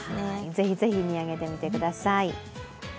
ぜひぜひ見上げてみてください。